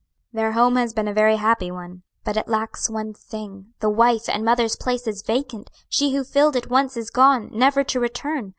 "Their home has been a very happy one; but it lacks one thing the wife and mother's place is vacant; she who filled it once is gone never to return!